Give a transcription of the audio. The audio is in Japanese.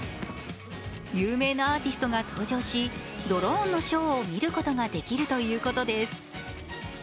有名なアーティストが登場し、ドローンのショーを見ることができるということです。